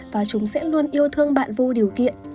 và chúng sẽ luôn yêu thương bạn vô điều kiện